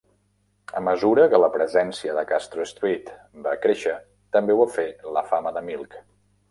A mesura que la presència de Castro Street va créixer, també ho va fer la fama de Milk.